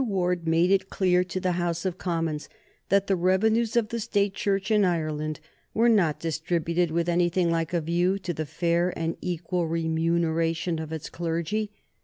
Ward made it clear to the House of Commons that the revenues of the State Church in Ireland were not distributed with anything like a view to the fair and equal remuneration of its clergy.